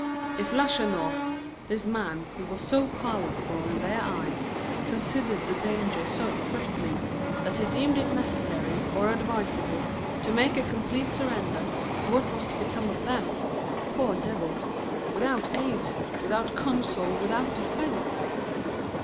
If Lacheneur, this man who was so powerful in their eyes, considered the danger so threatening that he deemed it necessary or advisable to make a complete surrender, what was to become of them poor devils without aid, without counsel, without defence?